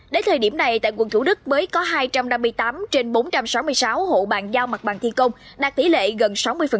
đến thời điểm này tại quận thủ đức mới có hai trăm năm mươi tám trên bốn trăm sáu mươi sáu hộ bàn giao mặt bằng thi công đạt tỷ lệ gần sáu mươi